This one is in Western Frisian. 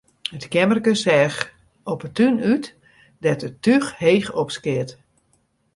It keammerke seach op 'e tún út, dêr't it túch heech opskeat.